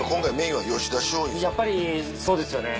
やっぱりそうですよね。